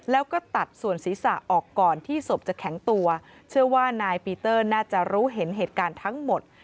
แล้วก็ตัดส่วนศีรษะออกก่อนที่ศพจะแข็งตัวเชื่อว่านายปีเตอร์น่าจะรู้เห็นเหตุการณ์ทั้งหมด